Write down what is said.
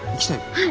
はい。